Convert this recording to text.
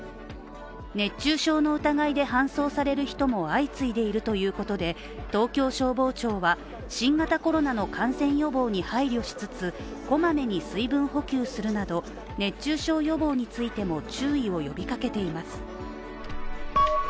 熱中症の疑いで搬送される人も相次いでいるということで東京消防庁は新型コロナの感染防止に配慮しつつこまめに水分補給するなど熱中症予防についても注意を呼びかけています